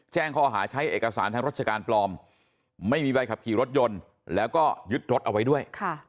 แจ้งข้อหาใช้เอกสารทางราชการปลอมไม่มีใบขับขี่รถยนต์แล้วก็ยึดรถเอาไว้ด้วย